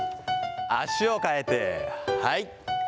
足を換えて、はい。